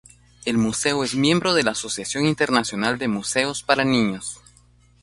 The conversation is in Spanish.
El museo es miembro de la Asociación Internacional de Museos para niños.